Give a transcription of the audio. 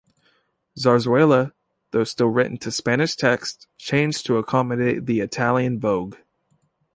"Zarzuela", though still written to Spanish texts, changed to accommodate the Italian vogue.